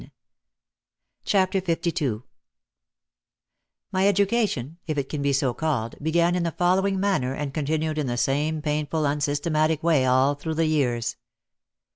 OUT OF THE SHADOW 251 LII My education, if it can be so called, began in the fol lowing manner and continued in the same painful unsystematic way all through the years.